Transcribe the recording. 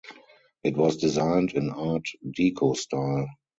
It was designed in Art Deco style.